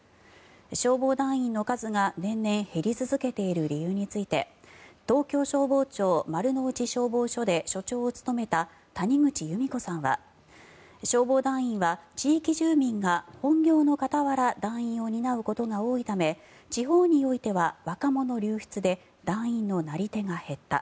消防団員の数が年々減り続けている理由について東京消防庁丸の内消防署で署長を務めた谷口由美子さんは消防団員は地域住民が、本業の傍ら団員を担うことが多いため地方においては若者流出で団員のなり手が減った。